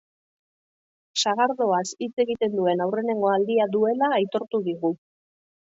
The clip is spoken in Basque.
Sagardoaz hitz egiten duen aurrenengo aldia duela aitortu digu.